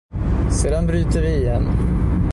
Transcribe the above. Sedan byter vi igen.